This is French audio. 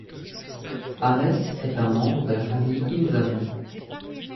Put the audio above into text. Ames et un membre de la famille Imseng.